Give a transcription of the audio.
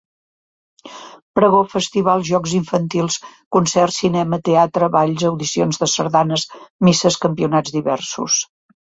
Pregó, festivals, jocs infantils, concerts, cinema, teatre, balls, audicions de sardanes, misses, campionats diversos.